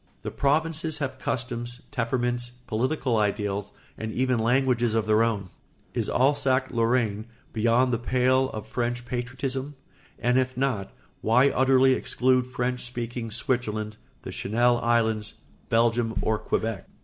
The provinces have customs, temperaments, political ideals, and even languages of their own. Is Alsace Lorraine beyond the pale of French patriotism? And if not, why utterly exclude French speaking Switzerland, the Channel Islands, Belgium, or Quebec?